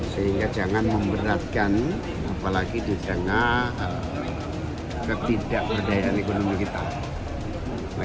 sehingga jangan memberatkan apalagi di tengah ketidakberdayaan ekonomi kita